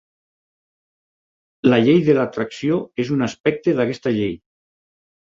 La llei de l'atracció és un aspecte d'aquesta llei.